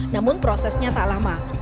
namun prosesnya tak lama